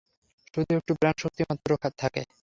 শুধু একটু প্রাণশক্তি মাত্র থাকে।